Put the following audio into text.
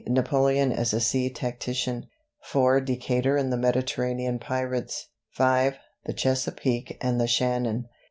"Napoleon as a Sea Tactician." IV. "Decatur and the Mediterranean Pirates." V. "The Chesapeake and the Shannon."